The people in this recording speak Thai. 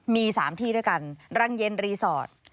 มี๓ที่ด้วยกันรังเย็นรีสอร์ท